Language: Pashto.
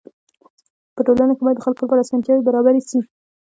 په ټولنه کي باید د خلکو لپاره اسانتياوي برابري سي.